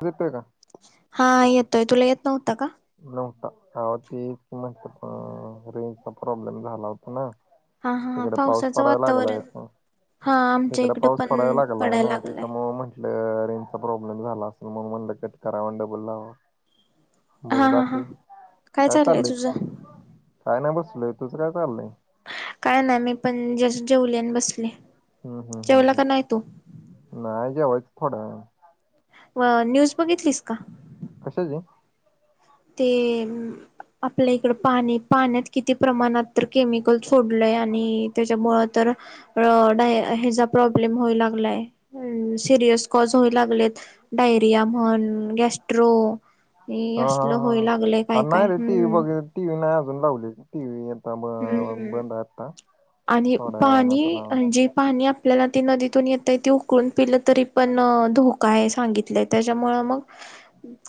Pre पे का हा येतोय तुला येत नव्हता का. न्हवता अहो ते इथ म त अ रेंजचा प्रॉब्लेम झाला होता ना. हा हा हा इकड पाऊस पावसाचं पडाय लागलाय वातावरण ह. हा आमच्या इकड इकडं पाऊस पडाय पण लागलाय पडायला ना लागलंय त्याच्यामूळ म्हट ल रेंज चा प्रॉब्लेम झाला असेल मग म्हणलं कट करावा आणि डबल लावावा. बोल हा हा हा बाकी काय चाललय तुझं काय नाही बसलोय तुझं काय चाललंय. काय नाय मी पण जस्ट जेवली आणि बसलिये. हम्म हम्म हम्म हम् नाही जेवायचं थोड्या वेळा अ न्यूज बघितलीस का. कशाची ते आपल्या इकड पाणी पाण्यात किती प्रमाणात तर केमिकल सोडलय आणि त्याच्यामुळ तर र डाय हेचा प्रॉब्लेम होय लागलाय सिरयस कॉज होय लागलेत. डायरिया म्हण गॅस्ट्रो हे हा अस हा लं होय लागलेय काय काय हम्म. ती नाय अजून लावलेली. हम् आणि थोड्या वेळानं आता पाणी लावायची म्हणजे पाण्यात आपल्याला ती नदीतून येतय त उकळून पिलं तरी पण धोका आहे सांगितलंय त्याच्यामुंळ मग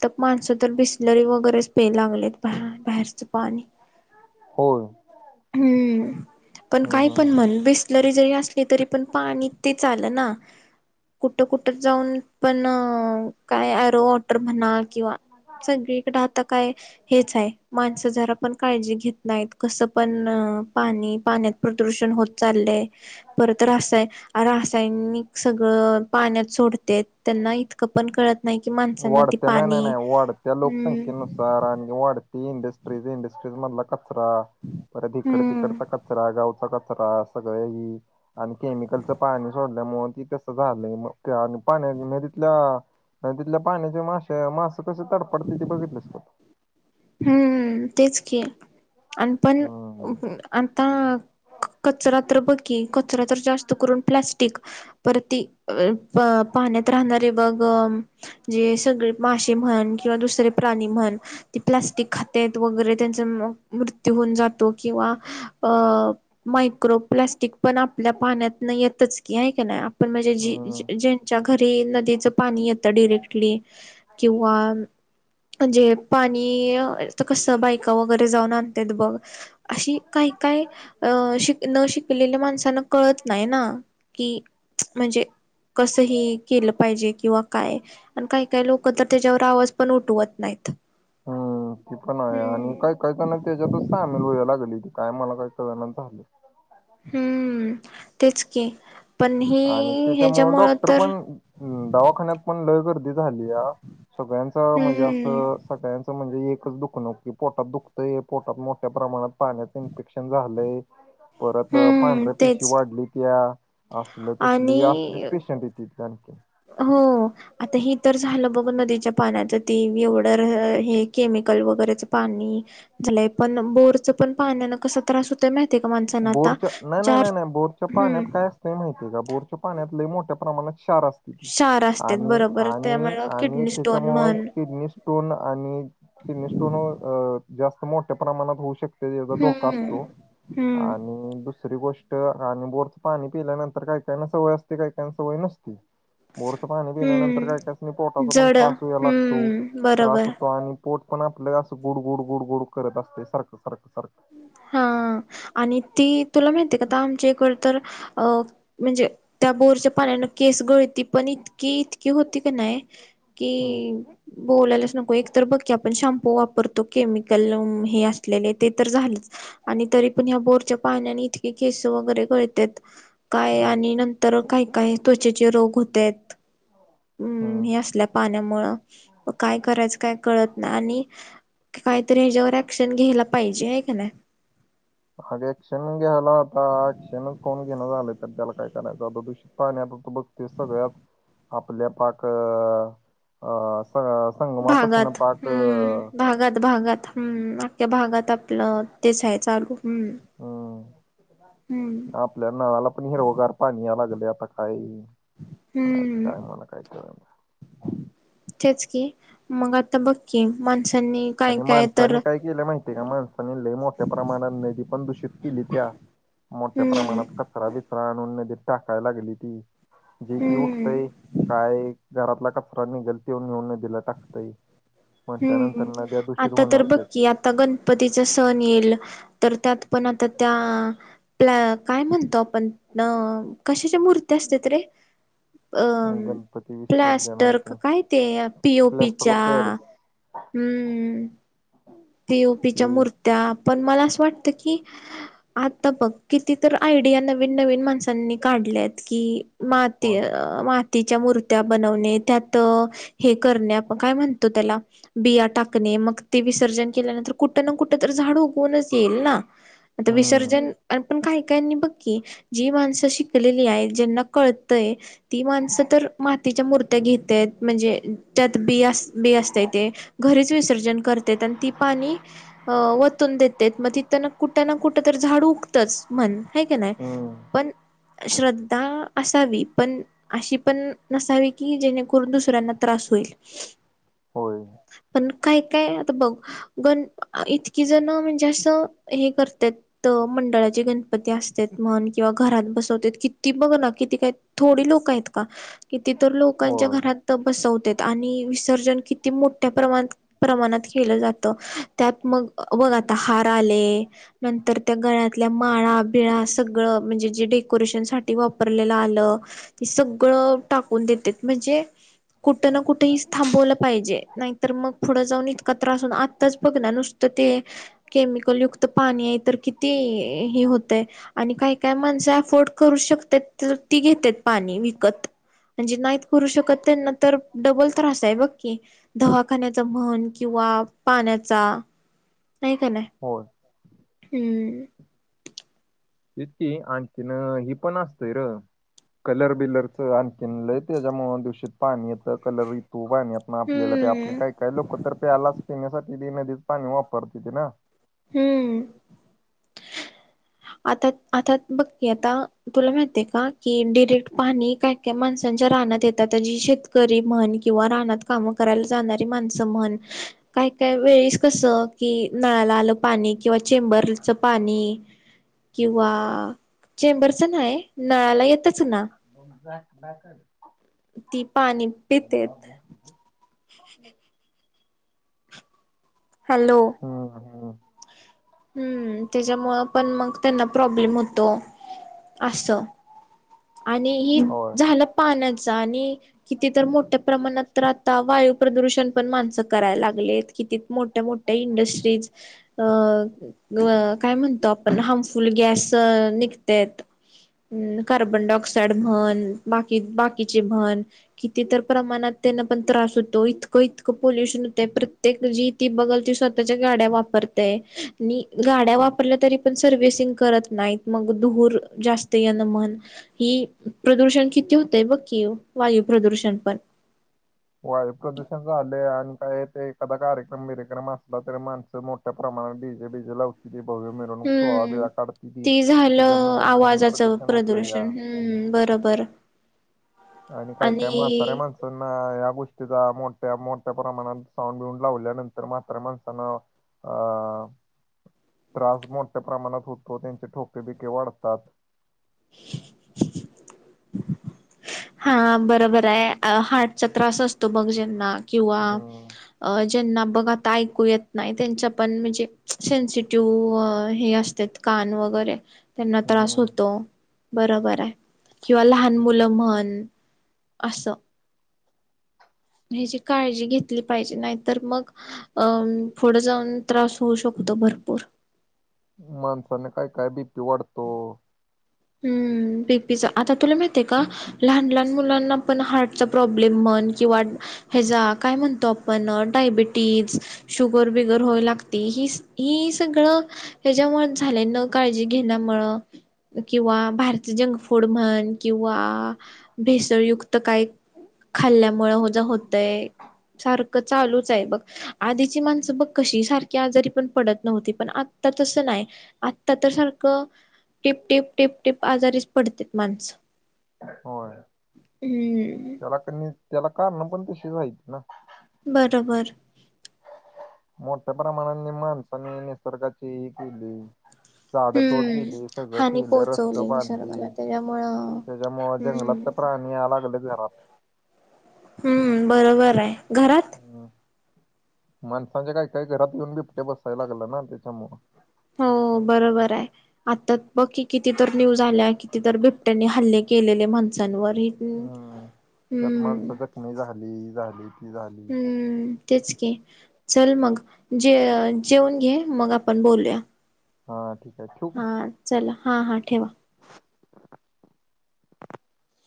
तर माणसं तर बिसलरी वगैरेच पेय लागलेत बा बाहेरचं पाणी. हो. हम्म पण काय पण मन बिस लरी जरी असली तरी पण पाणी तेच आलना कुठं कुठ जाऊन पण काय आरो म्हणा किंवा सगळीकडे आता काय हेच आहे माणसं जरा पण काळजी घेत नाहीत कसं पण पाणी पाण्यात प्रदूषण होत चाललंय परत रासाय रासायनिक सगळं पाण्यात सोडतेत त्यांना इतकं पण कळत नाही की माणसांना ते वाढत्या नाही नाही नाही वाढत्या लोकसंख्येनुसार आणि [unintelligible] ती इंडस्ट्रीज इंडस्ट्रीज मधला कचरा परत इकड हम्म तिकडचा कचरा गावचा कच रा सगळं ही आणि केमिकलचं पाणी सोडल्यामुळ ती तसं झालं मग ते आणि पाण नदीतलं आणि तिथल्या पाण्याचे मासे मास कसे तडपडते ते बघितलेस का. हम्म तेच की आणि पण हम्म आता कचरा तर बघ की कचरा तर जास्त करून प्लास्टिक. परती अ पाण्यात राहणारे बघ जे सगळे मासेे म्हण किंवा दुसरे प्राणी म्हण ती प्लाॅस्टिक खातेत वगैरे त्यांचा मृत्यू होऊन जातो किंवा अ मायक्रोप्लास्टिक पण आपल्या पाण्यात येतच की आहे का नाही आपण म्हणजे जी हम्म ज्यांच्या घरी नदीचं पाणी येतं डिरेक्टली किंवा म्हणजे पाणी कस बायका वगैरे जाऊन आणतेत बघ अशी काय काय, अ शिक न शिकलेले माणस त्यांना कळत नाही ना, की म्हणजे कसं ही केलं पाहिजे किंवा काय? आणि काही काही लोकं तर त्याच्यावर आवाज पण उठवत नाहीत. हम्म, ती पण आहे आणि हम्म. काय काही काही ना त्याच्यातच सामील व्हायला लागलीत, काय मला काही कळनाच झालंय. हम्म, तेच की. पण हे आणि त्याच्यामुळं ह्याच्यामुळं डॉक्टर तर पण दवाखान्यात पण लय गर्दी झालीया, सगळ्यांचं म्हणजे हम्म असं सगळ्यांचं म्हणजे एकच दुखणं, की पोटात दुखतंय पोटात मोठ्या प्रमाणात पाण्याचं इन्फेक्शन झालंय. परत अ हम्म पांढऱ्या पिशी तेच वाढलीत्या. म्हटलं तसली असलीच आणि पेशंट येतीत आणखी. हो आता हे तर झालं बघ नदीच्या पाण्याचं, ते एवढं हे केमिकल वगैरेच पाणी झालय पण, बोरचं पण पाण्यानं कसा त्रास होतोय माहित आहे का माणसांना आता, बोरच्या नाही नाही चार नाही नाही बोरच्या पाण्यात हम्म काय माहितीय का, बोरच्या पाण्यात लय मोठ्या प्रमाणात क्षार अस क्षार असत्यात आणि बरोबर आणि त्यामुळे आणि किडनी स्टोन त्याच्यामुळे म्हण किडनी स्टोन आणि किडनीस्टोन अ जास्त मोठ्या प्रमाणात होऊ शकते, त्याचा धो का हम्म असतो हम्म आणि दु सरी गोष्टं आणि बोरचं पाणी पिल्यानंतर काही काहींना सवय असते, काही काहींना सवय नसते. बोरचं पाणी पिल्यानंतर हम्म कायकासनी पोटाचा पण जड त्रास व्हाया लागतो, हम्म त्रास बरोबर होतो आणि पोट पण आपल्या असं गुड गुड गुड गुड करत असते सारखं सारखं सारखं. हम्म, आणि ती तुला माहिती का आता आमच्या इकडं तर अ म्हणजे, त्या बोरच्या पाण्यानं केस गळती पण इत की इतकी होती का नाही, हम्म कि बोलायलाच नको, एक तर बघ की आपण शॅम्पू वापरतो केमिकल हे असलेले ते तर झालीच, आणि तरी पण ह्या बोरच्या पाण्यानी इतकी केसं वगैरे पळतेत, काय हम्म आणि नंतर काय काय त्वचेचे रोग होत्यात. [inaudible] हम्म, हे असल्या पाण्यामुळं, काय करायचं काय कळत नाही आणि काहीतरी ह्याच्यावर ऍक्शन घ्यायला पाहिजे. आहे का नाही? आग एक्शन घ्यायला आता ऍक्शनच कोण घेणं झालंय, तर त्याला काय करायचं आता दूषित पाणी आता तु बघ ते सगळ्या आपल्या पाक अ स संगमापासून भागात पाक हम्म अं, भागात भागात हम्म, अख्ख्या भागात आपलं तेच आहे चालू, हम्म. ह हम्म आपल्या नळाला पण हिरवगार पाणी याय लागले, आता काही. हम्म, तेच की. मग आता बघ कि माणसांनी काय आणि काय तर माणसांनी काय केलं माहितीय का, माणसांनी लय मोठ्या प्रमाणात नदी पण दूषित केलीत्या. मोठ्या हम्म प्रमाणात कचरा बिचरा आणून नदीत टाकायला लागलेती, जी ती हम्म उठतंय काय घरातला कचरा निघल त्यो नेऊन नदीला टाकतंय. म्हटल्यानंतर हम्म, नद्या दूषित आता तर होणार बघ तेच की ही आता गणपतीचा सण येईल, तर त्यात पण आता त्या पलं काय म्हणतो आपण, अ कशाच्या मुर्त्या असत्यात रे? अ गणपती प्लास्टर विसर्जनाची का काय ते, P O P plaster of च्या पॅरिस हम्म, पी ओ पी ती च्या मूर्त्या पण मला असं वाटतं की आता बघ, किती तर आयडिया नवीन नवीन माणसांनी काढल्यात की माात होय मा तिच्या मूर्त्या बनवणे त्यात हे करणे काय म्हणतो त्याला बिया टाकणे मग ती विसर्जन ल्यानंतर कुठ ना कुठ तर झाड उगवूनच येईल ना आता हम्म विसर्जन पण काही काहीनी बघकी जी माणसं शिकलेली आहेत ज्यांना कळतंय ती माणसं तर मातीच्या मूर्त्या घेतेत म्हणजे चतबी अस बी असते ते घरीच विसर्जन करतेत आणि ती पाणी अ वतून देतेेत मग तिथ ना कुठं ना कुठं तर झाड उगतंच म्हण ह क नाही हम्म पण श्रद्धा असावी पण अशी पण नसावी की जेणेकरून दुसऱ्यांना त्रास होईल होय पण काय काय आता बघ गण इतकी जण म्हणजे असं हे करतात तर मंडळाचे गणपती असत म्हण किंवा घरात बसवत किती बघ ना किती काय थोडे लोक आहेत का किती तर लोकांच्या होय घरात बसवतेत आणि विसर्जन किती मोठ्या प्रमाणात प्रमाणात केलं जात त्यात म बघ आता हार आले नंतर त्या गळ्यातल्या माळा बिळा सगळ म्हणजे जे डेकोरेशन साठी वापरलेलं आलं सगळं टाकून देते म्हणजे कुठं ना कुठेही थांबवला पाहिजे नाहीतर मग पुढं जाऊन इतका त्रास होऊन आत्ताच बघ ना नुसतं ते केमिकल युक्त पाणी आहे तर किती ह होत आहे आणि काही काय माणसं अफोर्ड करू शकतात तर ती घेतेत पाणी विकत म्हणजे नाहीत करू शकत त्यांना तर डबल त्रास आहे बघ की दवाखान्याचा म्हण किंवा पाण्याचा नाही का नाही होय हम्म तकी आणखीन ही पण असतय र कलर बिलरच आणखीनलंय त्याच्यामुं दिवशीित पाणी येतं कलर तू पाणी आपण आपल्याला प आपल्या हम्म काही काय लोक तर प्यालाच पिण्यासाठी त नदीच पाणी वापरते ते ना हम्म आता आता बघ आता तुला माहितीय का की डिरेक्ट पाणी काय माणसांच्या रानात येतात जी शेतकरी म्हण किंवा, रानात कामं करायला जाणारी माणसं म्हण काय काय वेळीस कसं कि नाला आलं पाणी किंवा चेंबरच पाणी किंवा चेंबरच ना आहे नळाला येतच ना ब जा ब ती पाणी पितेत ह हॅलो हा ह हम्म त्याच्यामुं पण मग त्यांना प्रॉब्लेम होतो असं आणि ही हो झालं पाण्याचा आणि किती तर मोठ्या प्रमाणात तर आता वायू प्रदूषण पण माणसं करायला लागलेत कितीत मोठ्या मोठ्या इंडस्ट्रीज अ काय म्हणतो आपण हार्मफुल गॅस निघत कार्बन डायक्साइड म्हण बाकी बाकीचे म्हण किती तर प्रमाणात त्यांना पण त्रास होतो इतकं इतकं पोल्युशन होतं प्रत्येक जी ती बघल ती स्वतःच्या गाड्या वापरतेय आणि गाड्या वापरल्या तरी पण सर्व्हसिंग करत नाहीत मग दुहूर जास्त ये ना म्हण हि प्रदूषण किती होतंय बघकी वायू प्रदूषण पण वायू प्रदूषण झाले आणि काय ते एखादा कार्यक्रम बरक्रम असला तरी माणसं मोठ प्रमाात डीजे बीजे लावतील भव्य मिरवणूक सोहा हम्म बेळा काढती ती ते झालं त्याच्यामुळे ध्वनी आवाजाचं प्रदूषण होत या प्रदूषण हम्म बरोबर आणि काय काय, म्हाताऱ्या आणि माणसना गोष्टीचा मोठ्या मोठ्या प्रमाणात साऊड बिऊन लावल्यानंतर मात्र माणसानं अ त्रास मोठ्या प्रमाणात होतो त्यांचे ठोके बिके वाढतात हा बरोबर आहे हार्टचा त्रास असतो मग ज्यांना किंवा हम्म अ ज्यांना बघा आता ऐकू येत नाही त्यांचा पण म्हणजे सेनसिटिव्ह हे असत कान वगैरे त्यांना त्रास हम्म होतो बरोबर आहे किंवा लहान तेच मुलं की. म्हण असं ह्याची काळजी घेतली पाहिजे नाही तर मग अ पुढं जाऊन त्रास होऊ शकतो भरपूर माणसाने काय कायबी पिवाडतो हम्म बिग पिझ्झा आता तुला माहतीय का लहान लहान मुलांना पण हार्टचा प्रॉब्लेम म्हण किंवा हचा काय म्हणतो आपण डायबिटीज शुगर बिगर हो्हाय लागते हि हि सगळं त्याच्यामुळे झाले न काळजी घेण्यामुळं किंवा भारतीय जंक फूड म्हण किंवा भेसळयुक्त काही खाल्ल्यामुळे हो ज होतय सारखं चालूच आहे बघ आधीची माणसं बघ कशी सारखी आजारी पण पडत नव्हती पण आता तसं नाही आत्ता तर सारखं टिप टिप टिप टिप आजारीच पडते माणसं होय हम्म त्याला कनी त्याला कारण पण तशी, आहेत ना बरं बरं मोठ्या प्रमाणाने माणसाने निसर्गाची ही केली झाड तोड हम्म केली सगं हानी केलं रस्त पोहोचवली बांधली निसर्गाला त्याच्यामुळं त्याच्यामुळ हम्म जंगलात प्राणी [inaudible] हम्म बरोबर आहे घरात हम् माणसांच्या काय काही घरात येऊन बिबट्या बसायला लागलं ना त्याच्यामुळं हो बरोबर आहे आता बघकीी कितीतर न्यूज आल्या कितीतर बिबट्यांनी हल्ले केलेले माणसांवर हम्म त्यात माणसं जखमी झाली झाली ती झाली हम्म तेच क चल मग जे जेवन घे मग आपण बोलूया हा ठीक आहे ठेऊ का हा चला हां हां ठेवा